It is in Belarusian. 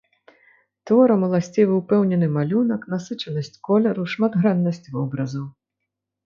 Творам уласцівы ўпэўнены малюнак, насычанасць колеру, шматграннасць вобразаў.